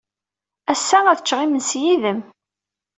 Ass-a, ad ččeɣ imensi yid-m.